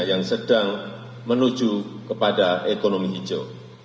yang sedang menuju kepada ekonomi hijau